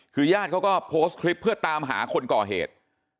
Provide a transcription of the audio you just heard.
คือญาติเขาก็โพสต์คลิปเพื่อตามหาคนก่อเหตุ